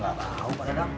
gak tau pak edam